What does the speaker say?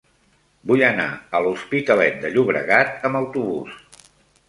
Vull anar a l'Hospitalet de Llobregat amb autobús.